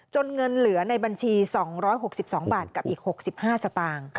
เงินเหลือในบัญชี๒๖๒บาทกับอีก๖๕สตางค์